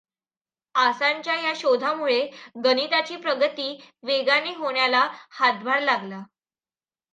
आसांच्या या शोधामुळे गणिताची प्रगती वेगाने होण्याला हातभार लागला.